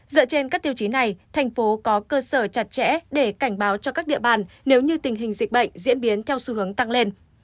dựa trên các tiêu chí này thành phố có cơ sở chặt chẽ để cảnh báo cho các địa bàn nếu như tình hình dịch bệnh diễn biến theo xu hướng tăng lên